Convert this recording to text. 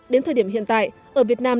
đến thời điểm hiện tại ở việt nam